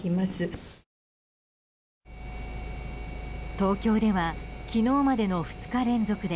東京では昨日までの２日連続で